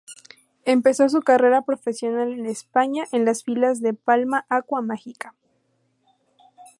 Empezó su carrera profesional en España, en las filas del Palma Aqua Mágica.